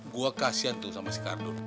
gua kasian tuh sama si kardun